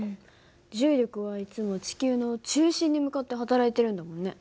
重力はいつも地球の中心に向かって働いてるんだもんね。